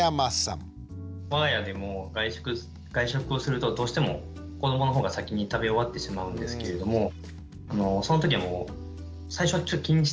我が家でも外食をするとどうしても子どもの方が先に食べ終わってしまうんですけれどもその時はもう最初は気にしてたんですけどね私も。